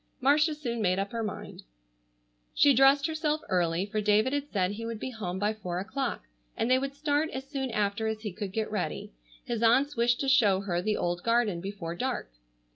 Marcia soon made up her mind. She dressed herself early, for David had said he would be home by four o'clock and they would start as soon after as he could get ready. His aunts wished to show her the old garden before dark.